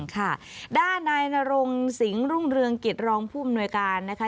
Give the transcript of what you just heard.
ค่ะด้านนายนรงสิงห์รุ่งเรืองเกียรติรองภูมิหน่วยการนะคะ